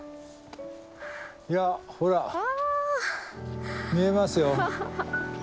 ほら見えますよ。